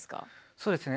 そうですね。